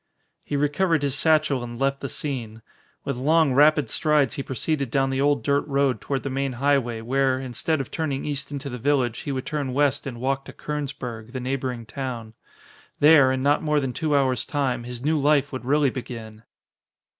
He recovered his satchel and left the scene. With long, rapid strides he proceeded down the old dirt road toward the main highway where, instead of turning east into the village, he would turn west and walk to Kernsburg, the neighboring town. There, in not more than two hours time, his new life would really begin!